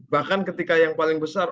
bahkan ketika yang paling besar